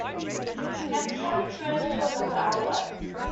We have decided to move to another outlet.